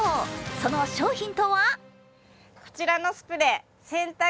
その商品とは？